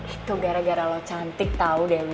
itu gara gara lo cantik tau dewi